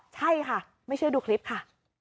ใช่ค่ะไม่เชื่อดูคลิปค่ะ